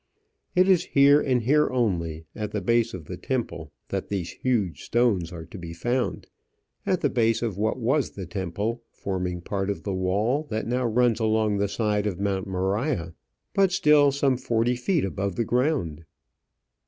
It is here, and here only, at the base of the temple, that these huge stones are to be found, at the base of what was the temple, forming part of the wall that now runs along the side of Mount Moriah, but still some forty feet above the ground.